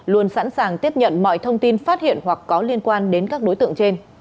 luôn sẵn sàng tiếp nhận mọi thông tin phát hiện hoặc có liên quan đến các đối tượng trên